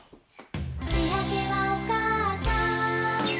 「しあげはおかあさん」